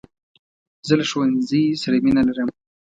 زه له ښوونځۍ سره مینه لرم .